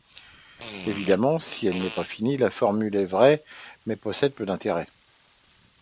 Évidemment, si elle n'est pas finie, la formule est vraie mais possède peu d'intérêt.